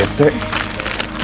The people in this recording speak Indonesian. ya kita makan yuk